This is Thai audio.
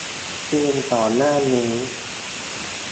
คืนก่อนหน้านี้